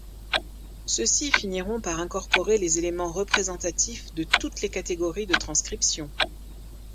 Ceux-ci finiront par incorporer les éléments représentatifs de toutes les catégories de transcriptions.